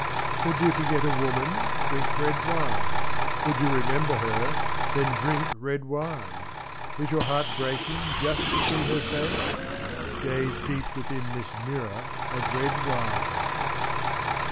Would you forget a woman, drink red wine ; Would you remember her, then drink red wine I i^' Is your heart breaking just to see her face ? Gaze deep within this mirror of red wine.